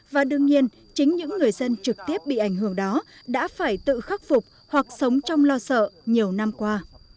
và đương nhiên chính những người dân trực tiếp bị ảnh hưởng đó đã phải tự khắc phục hoặc sống trong lo sợ nhiều năm qua